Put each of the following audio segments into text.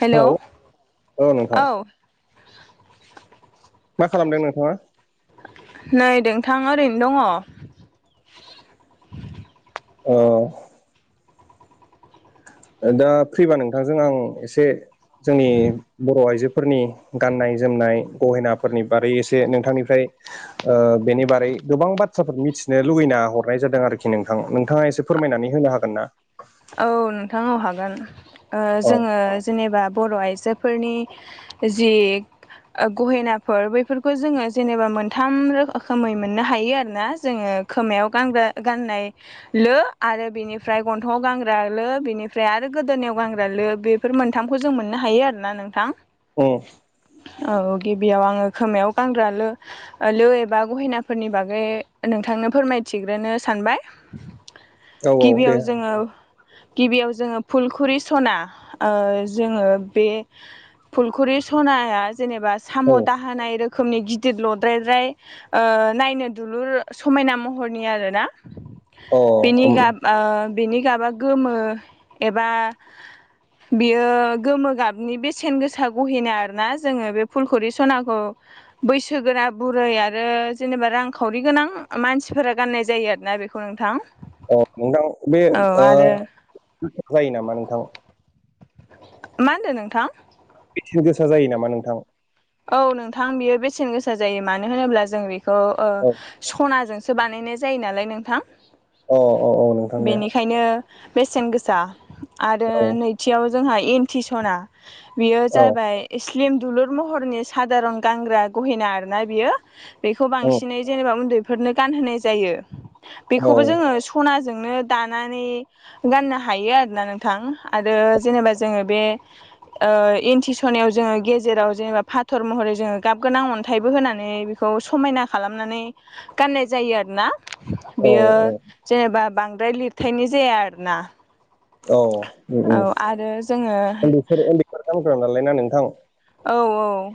Hello औ। मा खालामदों नोंथाङा? नै नोंथां ओरैनो दङ। अह। ओ दा फ्रिबा नोंथांजों आं एसे जोंनि बर' आइजोफोरनि गाननाय जोमनाय गहेनाफोरनि बारै एसे नोंथांनिफ्राय ओ बेनि बारै गोबां बाथ्राफोरखौ मिथिनो लुगैना हरनाय जादों आरोखि नोंथां नोंथाङा एसे फोरमायनानै होनो हागोन ना? औ नोंथां औ हागोन ओ औ जोङो जेनेबा बर' आइजोफोरनि जि ओ गहेनाफोर बैफोरखौ जोङो जेनेबा मोनथाम रोखोमै मोननो हायो आरोना जोङो खोमायाव गानग्रा गाननाय लो आरो बिनिफ्राय गनथंआव गान ग्रा लो बिनिफ्राय आरो गोदोनायाव गानग्रा लो बेफोर मोनथामखौ जों मोननो हायो आरोना नोंथां। ओम। औ गिबियाव आङो खोमायाव गानग्रा लो लो एबा गहेनाफोरनि बागै नोंथांनो फोरमायथिग्रोनो सानबाय। औ औ दे गिबियाव जोङो गिबियाव जोङो फुलखुरि सना ओ जोङो बे फुलखुरि सनाया जेनेबा साम' औ दाहोनाय रोखोमनि गिदिर लद्रायद्राय ओ नायनो दुलुर समायना महरनि आरोना। अ बिनि उम गाब ओ बिनि गाबा गोमो एबा बियो गोमो गाबनि बेसेन गोसा गहेना आरोना जोङो बे फुलखुरि सनाखौ बैसोगोरा बुरै आरो जेनेबा रांखावरि गोनां मानसिफोरा गाननाय जायो आरोना बेखौ। खौ नोंथां। औ नोंथां बे औ ओ आरो जायो नामा नोंथां? मा होनदों नोंथां? बेसेन गोसा जायो नामा नोंथां? औ नोंथां बेयो बेसेन गोसा जायो मानो होनोब्ला जों बेखौ ओ औ सनाजों सो बानायनाय जायो नालाय नोंथां अ अ औ नोंथां दे बेनिखायनो बेसेन गोसा आरो औ नैथियाव जोंहा एन्टि सना बेयो औ जाबाय स्लिम दुलुर महरनि सादारन गानग्रा गहेना आरोना बियो। बेखौ उम बांसिनै जेनबा उन्दैफोरनो गानहोनाय जायो औ बेखौबो जोङो सनाजोंनो दानानै गाननो हायो आरोना नोंथां आरो जेनेबा जोङो बे ओ इन्थि स'नायाव जोङो गेजेराव जेनेबा फाथर महरै जोङो गाब गोनां अन्थाइबो होनानै बेखौ समायना खालामनानै गाननाय जायो आरो ना। औ बियो औ जेनेबा बांद्राय लिरथायनि जाया आरोना। औ औ आरो जोङो औ उन्दैफोर उन्दैफोर गानग्रा नालाय ना नोंथां। औ औ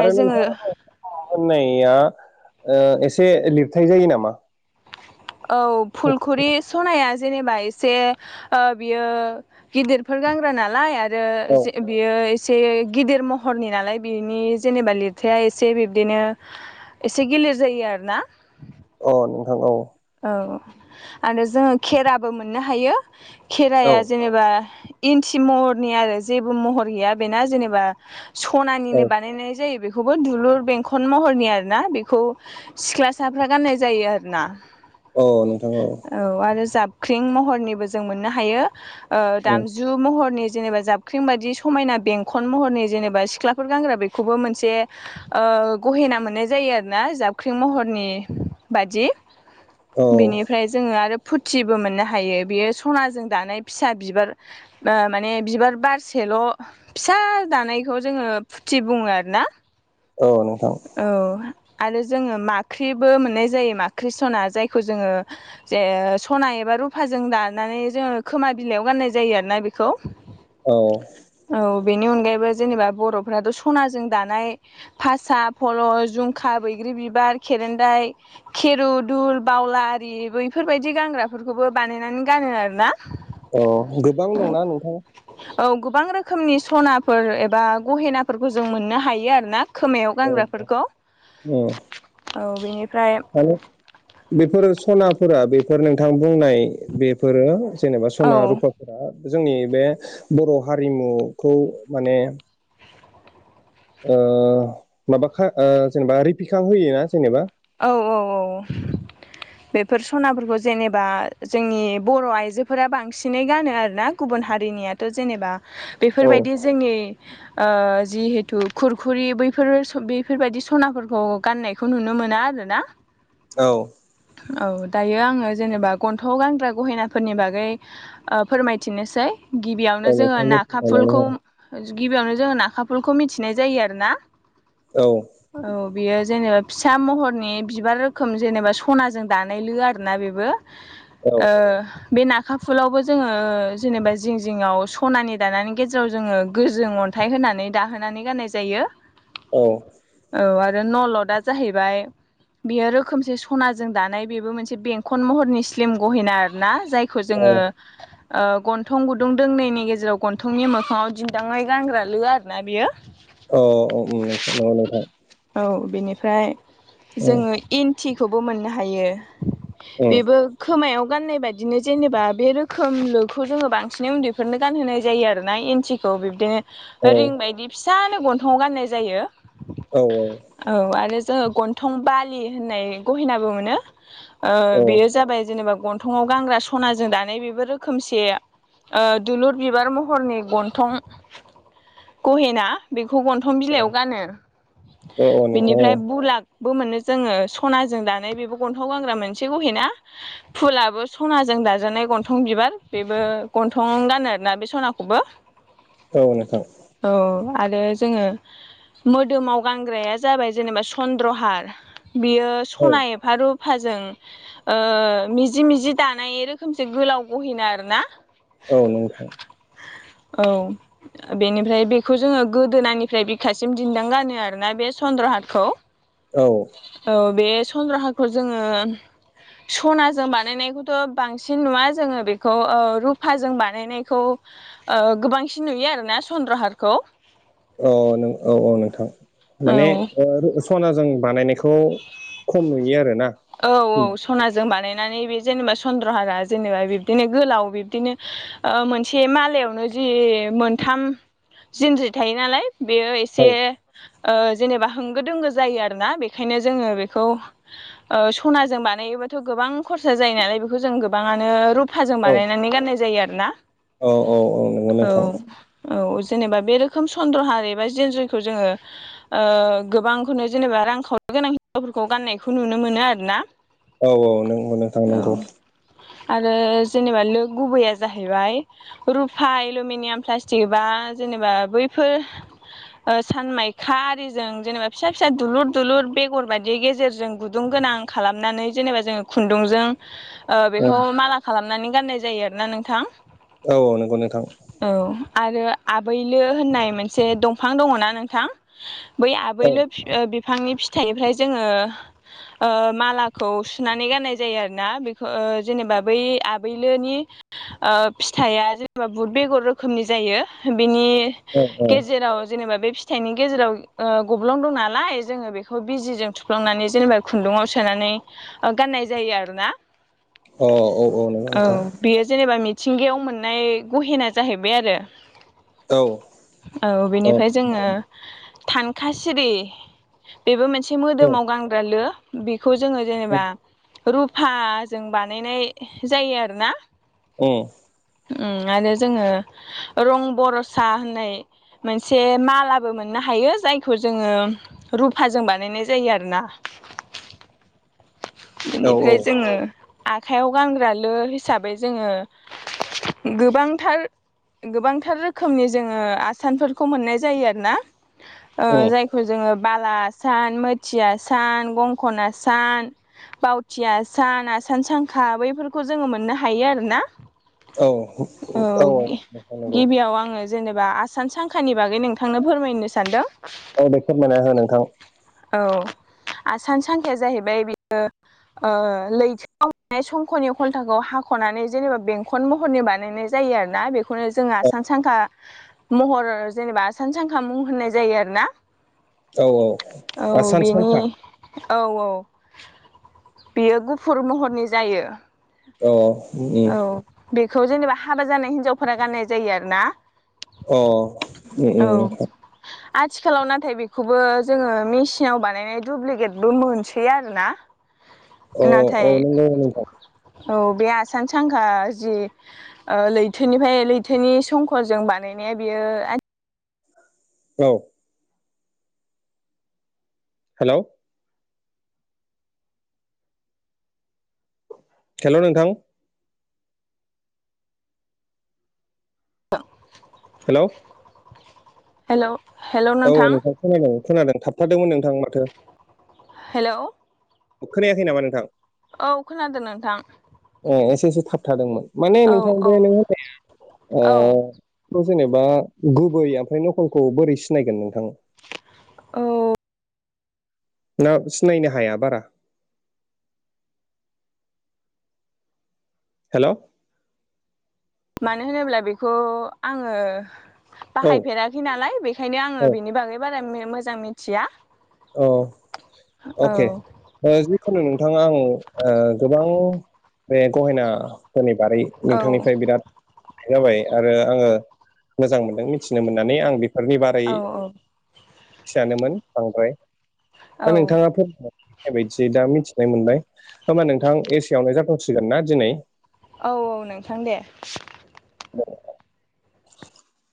आरो जोङो नोंथाङा [unintelligible] होननाया एसे लिरथाय जायो नामा? औ फुलखुरि सनाया जेनबा एसे बियो गिदिरफोर गानग्रा नालाय औ [inaudible] बियो एसे गिदिर महरनि नालाय बिनि जेनबा लिरथाया एसे बिब्दिनो एसे गिलिर जायो आरो ना। अ नोंथां औ। औ आरो जोङो खेराबो मोननो हायो औ खेराया जेनबा बा इन्थि महरनि आरो जेबो महर गैया बेना जेनबा औ सनानिनो बानायनाय जायो बेखौ। बेखौबो दुलुर बेंखन महरनि आरोना बेखौ सिख्लासाफ्रा गाननाय जायो आरोना अ नोंथां औ। औ आरो जाबख्रिं महरनिबो जों मोननो हायो ओ दामजु दामजु महरनि जेनेबा जाबख्रिं बादि समायना बेंखन महरनि जेनेबा सिख्लाफोर गानग्रा बेखौबो मोनसे ओ गहेना मोननाय जायोना आरोना जाबख्रिं महरनि बादि। औ बेनिफ्राय जोङो आरो फुथिबो मोननो हायो बेयो सनाजों दानाय फिसा बिबार माने बिबार बारसेल' फिसा दानायखौ जोङो फुथि बुङो आरो ना। औ नोंथां। औ आरो जोङो माख्रिबो मोननाय जायो माख्रि सना जायखौ जोङो जे सना एबा रुफाजों दानानै जोङो खोमा बिलाइयाव गाननाय जायो आरोना बेखौ। औ औ बेनि अनगायैबो जेनेबा बर'फ्राथ' सनाजों दानाय फासा, फल, जुमखा, बैग्रि बिबार, खेरेन्दाय, खेरुदुल, बावल, आरि बैफोरबायदि गानग्राफोरखौबो बानायनानै गानो आरो ना। औ गोबां दंना नोंथां। औ गोबां रोखोमनि सनाफोर एबा गहेनाफोरखौ जों मोननो हायो आरोना। खोमायाव औ गानग्राफोरखौ उम औ बेनिफ्राय बेफोरो सनाफोरा बेफोर नोंथां बुंनाय बेफोरो जेनबा औ सना रुपा जोंनि बे बर' हारिमुखौ माने ओ माबा खा जेनेबा रिपिखां होयोना जेनेबा औ औ औ औ बेफोर सनाफोरखौ जेनेबा जोंनि बर' आइजोफोरा बांसिनै गानो आरोना गुबुन हारिनियाथ' जेनेबा औ बेफोरबायदि जोंनि ओ जिहेथु खुरखुरि बैफोर बेफोरबायदि सनाफोरखौ गाननायखौ नुनो मोनो ना आरो ना औ औ दायो आङो जेनेबा गन्थंआव गानग्रा गहेनाफोरनि बागै फोरमायथिनोसै औ गिबियावनो जोङो नोंथां जोथोन नाखा लानानै फुलखौ हो गिबियावनो जोङो नाखाफुलखौ मिथिनाय जायो आरो ना औ औ बियो जेनेबा फिसा महरनि बिबार रोखोम जेनेबा सनाजों दानाय लो आरोना बेबो औ ओ बे नाखा फुलावबो जोङो जेनेबा जिं जिङआव सनानि दानानै गेजेराव जोङो गोजों अन थाय होनानै दाहोनानै गाननाय जायो। औ औ आरो नलदा जाहैबाय बेयो रोखोमसे सनाजों दानाय बेबो मोनसे बेंखन महरनि स्लिम गहेना आर ना जाय खौ जोङो [inaudible] ओ गन्थं गुदुं दोंनैनायनि गेजेराव गन्थंनि मोखाङाव दिन्दाङै गानग्रा लो आरो ना बियो औ औ [unintelligible] नंगौ नोंथां औ बेनिफ्राय उम जोङो इन्थिखौबो मोननो हायो उम बेबो खोमायाव गाननाय बाददिनो जेनेबा बे रोखोमलखौ जोङो बांसिनै उन्दैफोरनो गानहोनाय जायो आरोना इन्थि स' औ बिब्दिनो रिं बायदि फिसानो गन्थं गाननाय जायो। औ औ औ आरो जोङो गन्थं बालि होननाय गहिनाबो मोनो ओ औ बेयो जाबाय जेनेबा गन्थंआव गानग्रा सनाजों दानाय बेबो रोखोमसे ओ दुलुर बिबार महरनि गन्थं गहेना बेखौ गन्थं बिलाइयाव गानो औ नोंथां बु लाखबो मोनो जोङो सनाजों दानाय बेबो गन्थाव गानग्रा मोनसे गहैना फुलाबो सनाजों दाजानाय गन्थं बिबार बेबो गन्थं गानो आरोना बे सनाखौबो औ नोंथां औ आरो जोङो मोदोमाव गानग्राया जाबाय जेनेबा चन्द्रहार बियो औ सना एफा रुफाजों मिजि मिजि दानाय रोखोमसो गोलाव बहिना आरो ना औ नोंथां औ बेनिफ्राय बेखौ जोङो गोदोनानिफ्राय बिखासिम दिन्दां गानो आरोना बे चन्द्रहाटखौ। औ औ बे संनद्रहारखौ जोङो सनाजों बानायनायखौथ' बांसिन नुवा जोङो बेखौ ओ रुफाजों बानायनायखौ ओ गोबांसिन नुयो आरोना सनद्रहारखौ औ नों औ औ नोंथां औ माने ओ सना जों बानायनायखौ खम नुयो आरो ना औ औ सनाजों बानायनानै बे जेनेबा चन्द्रहारा जेनेबा बिबदिनो गोलाव बिब्दिनो ओ मोनसे मालायावनो जि मोनथाम जिनज्रि थायो नालाय बेयो औ एसे ओ जेनेबा होंगो दोंगो जायो आरोना बेखायनो जोङो बेखौ ओ सनाजों बानायोबाथ' गोबां खरसा जायो नालाय बेखौ जों गोबांआनो रू रूफाजों औ बानायनानै गाननाय जायो आरोना औ नंगौ औ नोंथां औ जेनेबा बे रोखोम सन्द्रहार एबा जेनजयखौ जोङो ओ गोबांखौनो जेनेबा रांखावरनो गोनां हिन्जावफोरखौ गाननायखौ नुनो मोनो आरो ना। औ औ नों नों थां नांगौ। आरो जेनेबा लुगुबैया जाहैबाय रुफा एलमिनियाम प्लास्टिक बा जेनेबा बैफोर सानमायखा आरिजों जेनेबा फिसा फिसा दुलुर दुलुर बेगर बायदि गेजेरजों गुदुं गोनां खालामनानै जेनेबा जों खुन्दुंजों ओ औ बेखौ माला खालामनानै गाननाय जायो आरोना नोंथां। औ नंगौ नोंथां। औ आरो आबैलो होननाय मोनसे दंफां दङना नोंथां? बै औ आबैलो बि ओ बिफांनि फिथाइनिफ्राय जोङो ओ मालाखौ सुनानै गाननाय जायो आरोना बेखौ ओ जेनेबा ओ बै आबैलोनि ओ फिथाइया जेनेबा बुद बेगर रोखोमनि जायो बेनि औ औ गेजेराव जेनेबा बे फि थाइनि गेजेराव ओ गब्लं दं नालाय जोङो बेखौ बिजिजों थुफ्लांनानै जेनेबा खुन्दुङाव सोनानै ओ गाननाय जायो आरो ना अ औ औ नंगौ नोंथां। बेयो जेनेबा मिथिंगायाव मोननाय गहेना जाहैबाय आरो। औ औ बेनिफ्राय जोङो थानखा सिरि बेबो मोनसे औ मोदोमाव गानग्रा लो बेखौ जोङो औ जेनेबा रुफाजों बानायनाय जायो आरोना। अ। उम आरो जोङो रं बरसा होननाय मोनसे मालाबो मोननो हायो जायखौ जोङो रुफाजों बानायनाय जायो आरोना। औ बिनिफ्राय जोङो आखाइयाव गानग्रा लो हिसाबै जोङो गोबांथार गोबांथार रोखोमनि जोङो आसानफोरखौ मोननाय जायो आरो ना। ओ जायखौ जोङो बाला आसान, मोथि आसान, गंखन आसान, बावथि आसान, आसान सांखा बैफोरखौ जोङो मोननो हायो आरो ना। औ औ औग नोंथां नंगौ गिबियाव आङो जेनेबा आसान सांखानि बागै नोंथांनो फोरमायनो सानदों। औ दे फोरमायना हो नोंथां। औ आसान सांखाया जाहैबाय बियो ओ लैथोआव नाय संखनि खन्थाखौ हाखनानै जेनेबा बेंखन महरनि बानायनाय जायो आरोना बेखौ खौनो जों आसान सांखा महर जेनेबा सानसांखा मुं होननाय जायो आरो ना। औ औ औ सान बिनि सानखा औ औ। बियो गुफुर महरनि जायो अ औ। बेखौ जेनेबा हाबा जानाय हिन्जावफोरा गाननाय जायो आरो ना। अ औ। आथिखालाव नाथाय बेखौबो जोङो मेचिनाव बानायनाय दुुब्लिकेटबो मोनसै। गैया आरोना औ नाथाय। नंगौ नोंथां औ बे आसान सांखा जि। ओ लैथोनिफ्राय लैथोनि संखजों बानायनाया बियो आइ। औ हेलौ। हेलौ नोंथां‌ [inaudible] हेलौ। हेलौ हेलौ नोंथां। खोनादों खोनादों थाबथादोंमोन नोंथां माथो। हेलौ। खोनायाखै नामा नोंथां। औ खोनादों नोंथां। ओ एसे एसे थाबथादोंमोन माने औ नोंथां औ बे नोङो ओ। औ जेनेबा गुबै ओमफ्राय नखलखौ बोरै सिनायगोन नोंथां। औ। ना सिनायनो हाया बारा। हेल'। मानो होनोब्ला बेखौ आङो। बाहायफेराखै नालाय बेखायनो औ आङो बेनि बागै बारा मे मोजां मिथिया। औ औ अके ओ जिखुनु नोंथाङा आं ओ गोबां। बे गहेनाफोरनि बारै नोंथांनिफ्राय बिराद। जाबाय आरो आङो मोजां मोनदों मिथिनो मोननानै आं बे। फोरनि बारै औ फियानोमोन बांद्राय। औ दा नोंथाङा फोरमाय। नाय बायदियै दा मिथिनाय मोनबाय दा होनोमबा नोंथां एसे आवनो जाथ'सिगोन ना दिनै। औ औ नोंथां दे। [unintelligible]